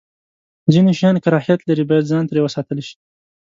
ځینې شیان کراهت لري، باید ځان ترې وساتل شی.